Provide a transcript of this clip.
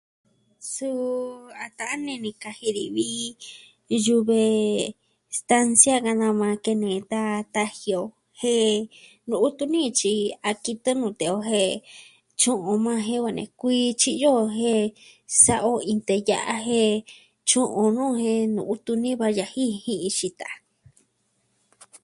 Suu a ta'an ini ni kaji ni vi iin yuve stansia ka na maa kene d taji o jen no'o tuni tyi a kitɨ nute o jen tyu'un maa jen va nee kuii tyiyo jen sa'ao iin teya'a jen tyu'un nuu jen nu'u tuni va yaji jin xita.